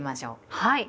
はい。